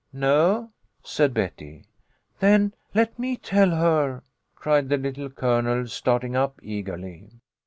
" No," said Betty. " Then let me tell her," cried the Little Colonel starting up eagerly.